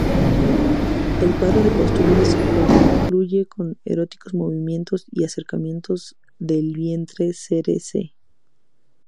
El cuadro de costumbres concluye con eróticos movimientos y acercamientos del vientre sere se.